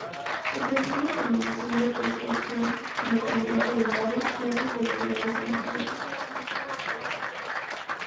Ofrecía una combinación de propulsión independiente del aire y altas velocidades sumergidos.